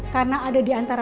karena ada diantara